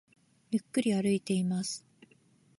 ゆっくり歩いています